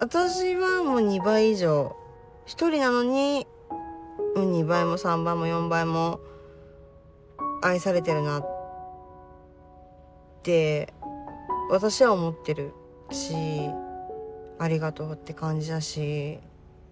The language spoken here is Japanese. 私はもう２倍以上一人なのに２倍も３倍も４倍も愛されてるなって私は思ってるしありがとうって感じだし。